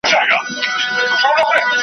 په سينو کې توپانونه .